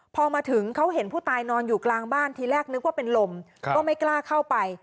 พอมาถึงเขาเห็นผู้ตายนอนอยู่กลางบ้านทีแรกนึกว่าเป็นลมก็ไม่กล้าเข้าไป